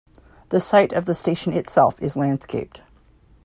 The site of the station itself is landscaped.